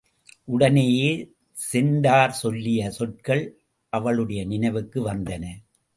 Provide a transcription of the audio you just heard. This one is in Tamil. உடனேயே சென்டார் சொல்லிய சொற்கள் அளுடைய நினைவுக்கு வந்தன.